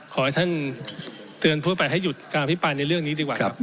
ขอให้ท่านเตือนผู้ประเปย์ไปให้หยุดการอภิปันธ์ในเรื่องนี้ดีกว่าครับ